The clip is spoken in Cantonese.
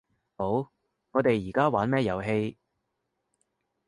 好，我哋而家玩咩遊戲